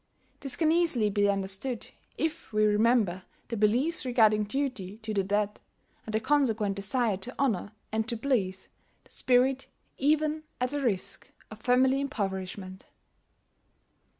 This can easily be understood if we remember the beliefs regarding duty to the dead, and the consequent desire to honour and to please the spirit even at the risk of family impoverishment.